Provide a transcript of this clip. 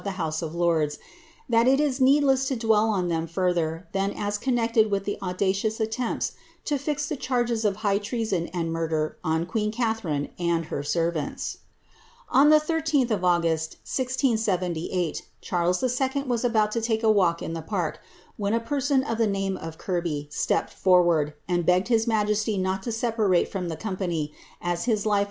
the j House of Ix)n1s, that it is neeiiless to dwell on them further than as con nected with the audacious attempts to fix the charges of high tretsoi and murder on queen Catharine and her servants. On the 13th of August, 1678, Charles II. was about to take a walkii the Park, when a person of the name of Kirby stepped forward, u^ begged his majesty not to separate from the company, as his life was is * Journal of James II.